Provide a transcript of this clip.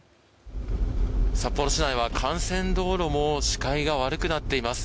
札幌市内は幹線道路も視界が悪くなっています。